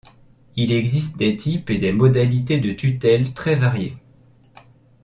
Il existe des types et des modalités de tutelle très variée.